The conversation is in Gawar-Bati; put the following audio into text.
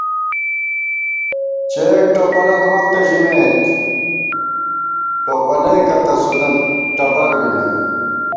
چېک ٹوپَلن وختہ ژِمېت، ٹوپلَئیکہ تسُونہ ٹبَربِمېم